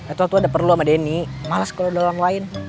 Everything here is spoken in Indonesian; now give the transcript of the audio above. edward tuh ada perlu sama denny males kalo ada orang lain